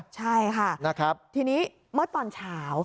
ใช่ค่ะทีนี้เมื่อตอนเช้า